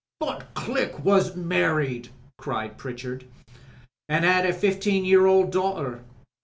"But Click was married," cried Pritchard. "An* 'ad a fifteen year old daughter.